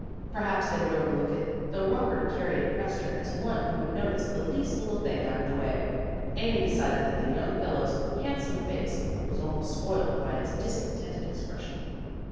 Perhaps they would overlook it, though Robert Carey impressed her as one who would notice the least little thing out of the way. Amy decided that the young fellow's handsome face was almost spoiled by its discontented expression.